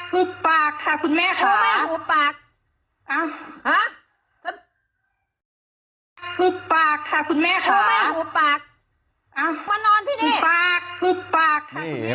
ขุมี่หลังทั้งมึงมาหาดด้วย